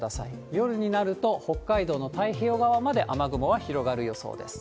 夜になると、北海道の太平洋側まで雨雲は広がる予想です。